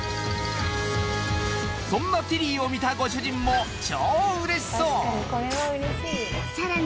そんなティリーを見たご主人も超嬉しそうさらに